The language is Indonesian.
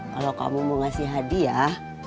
kalau kamu mau ngasih hadiah